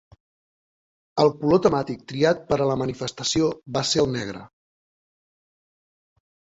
El color temàtic triat per a la manifestació va ser el negre.